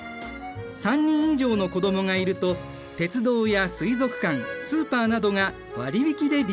３人以上の子どもがいると鉄道や水族館スーパーなどが割引で利用できるんだ。